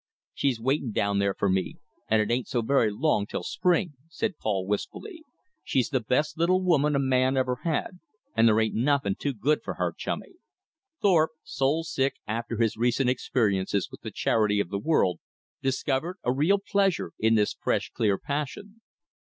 "She's waitin' down there for me, and it ain't so very long till spring," said Paul wistfully. "She's the best little woman a man ever had, and there ain't nothin' too good for her, chummy!" Thorpe, soul sick after his recent experiences with the charity of the world, discovered a real pleasure in this fresh, clear passion.